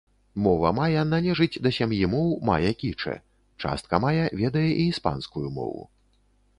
Мова мая належыць да сям'і моў мая-кічэ, частка мая ведае і іспанскую мову.